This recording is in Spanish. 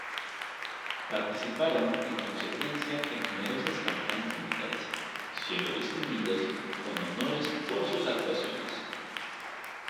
Participaron en consecuencia en numerosas campañas militares, siendo distinguidos con honores por sus actuaciones.